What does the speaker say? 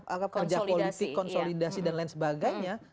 apa kerja politik konsolidasi dan lain sebagainya